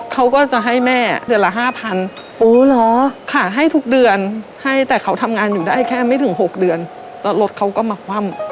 เขาก็จะให้แม่เดือนละ๕๐๐โอ้เหรอค่ะให้ทุกเดือนให้แต่เขาทำงานอยู่ได้แค่ไม่ถึง๖เดือนแล้วรถเขาก็มาคว่ำ